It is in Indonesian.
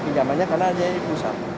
pinjamannya karena ada yang di pusat